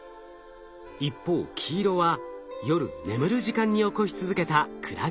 一方黄色は夜眠る時間に起こし続けたクラゲの動き。